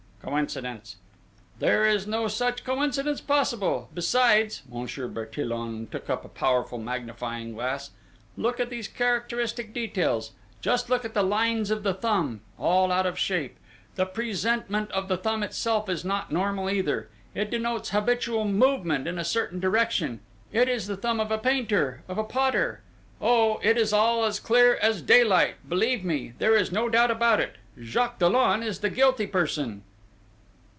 "Coincidence!" "There is no such coincidence possible besides" Monsieur Bertillon took up a powerful magnifying glass "look at these characteristic details!... Just look at the lines of the thumb, all out of shape!... The presentment of the thumb itself is not normal either; it denotes habitual movement in a certain direction: it is the thumb of a painter, of a potter!... Oh, it is all as clear as daylight believe me there is no doubt about it! Jacques Dollon is the guilty person!"